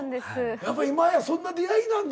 やっぱり今やそんな出会いなんだ。